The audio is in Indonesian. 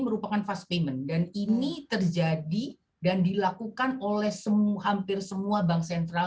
merupakan fast payment dan ini terjadi dan dilakukan oleh hampir semua bank sentral